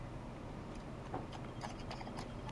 افغانستان د مسلکي کسانو اړتیا لري.